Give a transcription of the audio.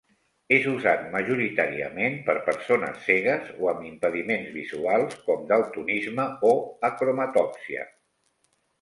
És usat majoritàriament per persones cegues o amb impediments visuals com daltonisme o acromatòpsia.